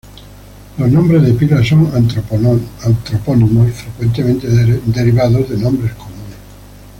Los nombres de pila son antropónimos, frecuentemente derivados de nombres comunes.